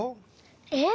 えっ？